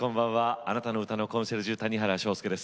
あなたの歌のコンシェルジュ谷原章介です。